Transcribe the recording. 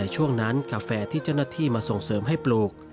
ช่วงนั้นกาแฟที่เจ้าหน้าที่มาส่งเสริมให้ปลูก